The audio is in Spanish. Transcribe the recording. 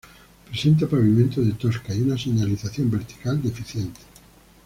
Presenta pavimento de tosca y una señalización vertical deficiente.